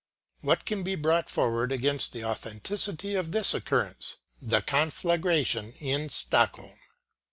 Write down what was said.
"What can be brought forward against the authenticity of this occurrence (the conflagration in Stockholm)